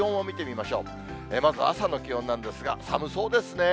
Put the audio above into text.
まず、朝の気温なんですが、寒そうですね。